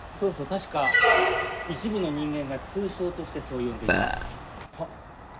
確か一部の人間が通称としてそう呼んでいたなはっ？